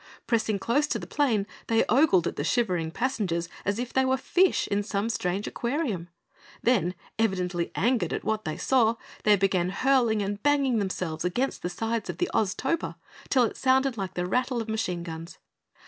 Pressing close to the plane they ogled at the shivering passengers as if they were fish in some strange aquarium. Then, evidently angered at what they saw, they began hurling and banging themselves against the sides of the Oztober till it sounded like the rattle of machine guns.